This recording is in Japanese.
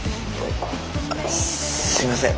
すみません。